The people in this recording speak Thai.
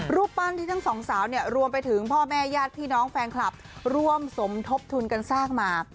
รูปปั้นที่ทั้งสองสาวเนี่ยรวมไปถึงพ่อแม่ญาติพี่น้องแฟนคลับร่วมสมทบทุนกันสร้างมา